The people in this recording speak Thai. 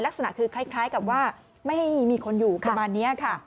ลักษณะคือคล้ายกับว่าไม่ให้มีคนอยู่ประมาณนี้ค่ะ